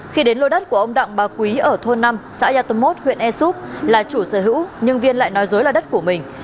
khi đến lô đất của ông đặng bà quý ở thôn năm xã e tông mốt huyện e soup là chủ sở hữu nhưng viên lại nói dối là đất của mình